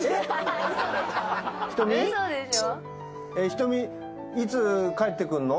ひとみいつ帰ってくるの？